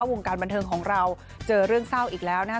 วงการบันเทิงของเราเจอเรื่องเศร้าอีกแล้วนะครับ